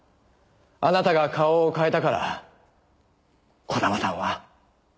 あなたが顔を変えたから児玉さんは殺されたんです。